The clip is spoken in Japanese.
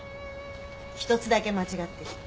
一つだけ間違ってる。